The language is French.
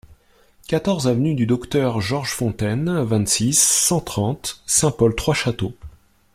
quatorze avenue du Docteur Georges Fontaine, vingt-six, cent trente, Saint-Paul-Trois-Châteaux